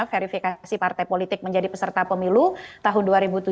verifikasi partai politik menjadi peserta pemilu tahun dua ribu tujuh belas